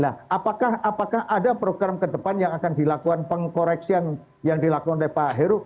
nah apakah ada program kedepan yang akan dilakukan pengkoreksi yang dilakukan oleh pak heru